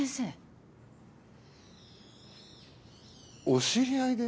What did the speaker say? お知り合いで？